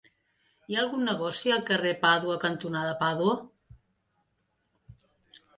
Hi ha algun negoci al carrer Pàdua cantonada Pàdua?